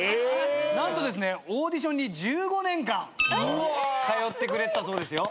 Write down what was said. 何とですねオーディションに１５年間通ってくれてたそうですよ。